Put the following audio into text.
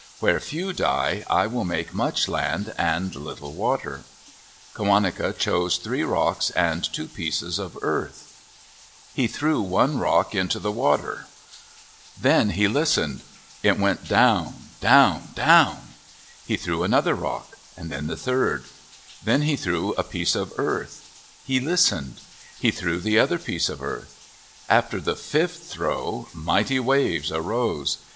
Where few die, I will make much land and little water." Qawaneca chose three rocks and two pieces of earth. He threw one rock into the water. Then 30 Crt H T) ?= o s H X ra 2 m z o OF THE PACIFIC NORTHWEST he listened. It went down, down, down ! He threw another rock ; then the third. Then he threw a piece of earth. He listened. He threw the other piece of earth. After the fifth throw, mighty waves arose.